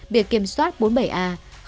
biệt kiểm soát bốn mươi bảy a chín mươi chín bảy